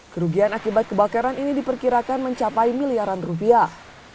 kerugian akibat kebakaran ini diperkirakan mencapai miliaran rupiah